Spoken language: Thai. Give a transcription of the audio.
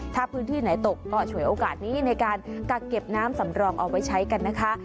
ถ้าพื้นที่ไหนตกก็ช่วยโอกาสนี้ในการกักเก็บน้ำสำรองเอาไว้ใช้กันนะคะ